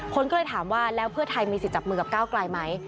คนก็เลยถามว่าแล้วเพื่อไทยมีสิทธิ์จับมือกับก้าวไกลไหม